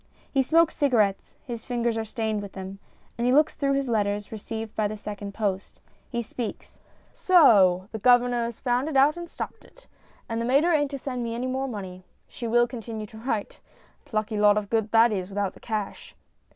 He smokes cigarettes his fingers are stained with them and looks through his letters received by the second post. He speaks : So the governor has found it out and stopped it, and the mater ain't to send me any more money. She will continue to write. ... Plucky lot of good that is without the cash.